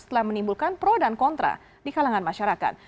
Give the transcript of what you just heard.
setelah menimbulkan pro dan kontra di kalangan masyarakat